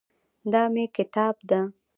دا مېکتاب ده